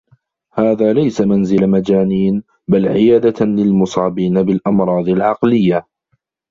هذا ليس منزل مجانين، بل عيادة للمصابين بالأمراض العقليّة.